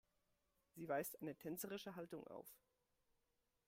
Sie weist eine tänzerische Haltung auf.